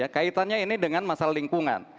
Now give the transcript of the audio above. kaitannya ini dengan masalah lingkungan